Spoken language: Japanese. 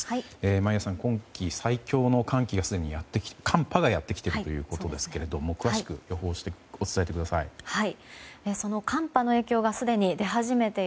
眞家さん、今季最強の寒波がすでにやってきているということですが詳しく予報を伝えてください。